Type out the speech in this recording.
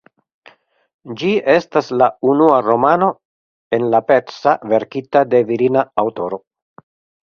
Ĝi estas la unua romano en la persa verkita de virina aŭtoro.